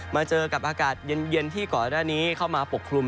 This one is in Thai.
มาเจอกับอากาศเย็นที่เกาะด้านนี้เข้ามาปกปรุน